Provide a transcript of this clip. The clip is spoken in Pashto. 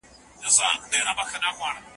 پرون مي یو ښکلی میز جوړ کړ.